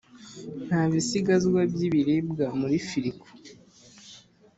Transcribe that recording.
nta bisigazwa byibiribwa muri firigo.